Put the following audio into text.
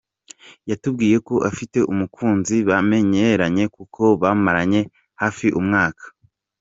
Yatubwiye ko afite umukunzi bamenyeranye kuko bamaranye hafi umwaka.